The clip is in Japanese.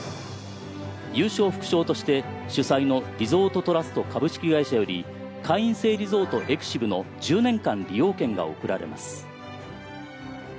優勝副賞として主催のリゾートトラスト株式会社より会員制リゾート「エクシブ」の１０年間利用権が贈られます。